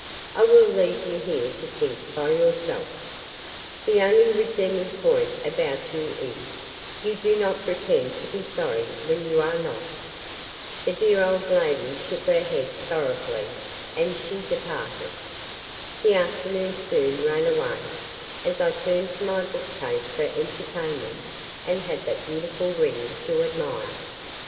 I will leave you here to think by yourself. The only redeeming point about you is, you do not pretend to be sorry when you are not." The dear old lady shook her head sorrowfully as she departed. The afternoon soon ran away, as I turned to my bookcase for entertainment and had that beautiful ring to admire.